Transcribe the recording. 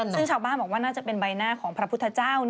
ซึ่งชาวบ้านบอกว่าน่าจะเป็นใบหน้าของพระพุทธเจ้า